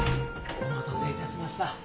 お待たせいたしました。